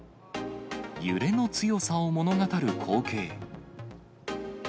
揺れの強さを物語る光景。